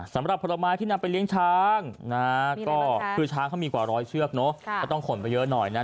สำหรับผลไม้ที่นำไปเลี้ยงช้างช้างมีกว่าร้อยเชือกต้องขนไปเยอะหน่อย